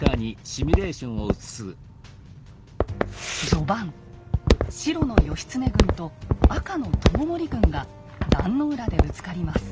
序盤白の義経軍と赤の知盛軍が壇の浦でぶつかります。